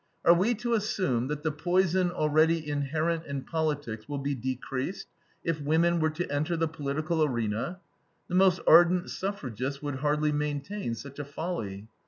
Are we to assume that the poison already inherent in politics will be decreased, if women were to enter the political arena? The most ardent suffragists would hardly maintain such a folly.